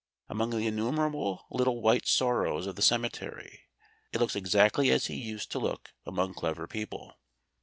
Among the innumerable little white sorrows of the cemetery it looks exactly as he used to look among clever people.